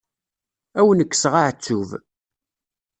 Ad wen-kkseɣ aεettub.